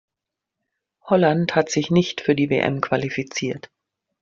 Holland hat sich nicht für die WM qualifiziert.